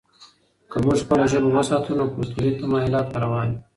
که موږ خپله ژبه وساتو، نو کلتوري تمایلات به روان وي.